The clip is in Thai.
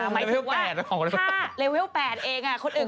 คือเลเวล๘ออกแล้วหรือเปล่าหมายถึงว่าถ้าเลเวล๘เอง